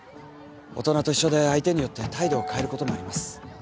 大人と一緒で相手によって態度を変えることもあります。